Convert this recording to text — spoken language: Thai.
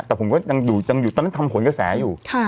แต่ผมก็ยังอยู่ตอนนั้นทำผลกระแสอยู่